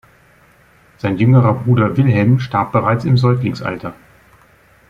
Sein jüngerer Bruder Wilhelm starb bereits im Säuglingsalter.